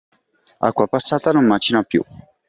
Acqua passata non macina più.